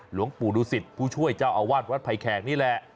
หลวงปู่ดูสิตผู้ช่วยเจ้าอาวาสวัดไผ่แขกนี่แหละ